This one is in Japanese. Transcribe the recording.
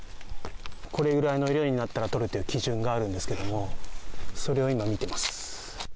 これぐらいの色になったら取るという基準があるんですけど、それを今、見ています。